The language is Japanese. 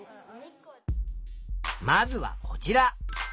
まずはこちら。